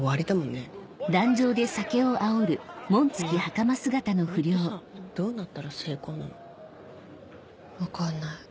ねぇこれってさどうなったら成功なの？分かんない。